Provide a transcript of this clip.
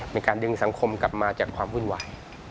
มีการดึงสังคมกลับมาจากความวุ่นวาย